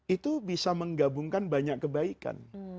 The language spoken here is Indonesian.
itu bisa menggabungkan banyak kebaikan